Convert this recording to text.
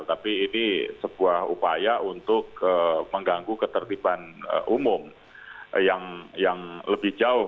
tapi ini sebuah upaya untuk mengganggu ketertiban umum yang lebih jauh